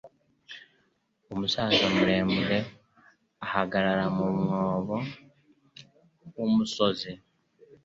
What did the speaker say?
Umusaza muremure ahagarara mu mwobo wumusozi